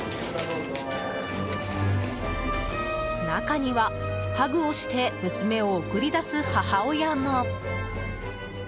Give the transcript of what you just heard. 中には、ハグをして娘を送り出す母親も。